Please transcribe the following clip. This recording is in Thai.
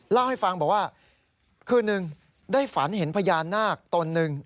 เล่าให้ฟังบอกว่าคืนนึงได้ฝันเห็นพญานาคตนหนึ่ง